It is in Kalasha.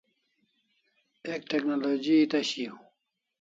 Ek technology eta shiau